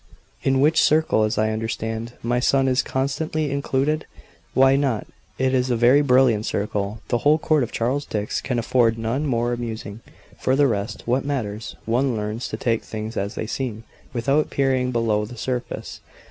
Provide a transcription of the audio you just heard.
"In which circle, as I understand, my son is constantly included?" "Why not? It is a very brilliant circle. The whole court of Charles Dix can afford none more amusing. For the rest, what matters? One learns to take things as they seem, without peering below the surface.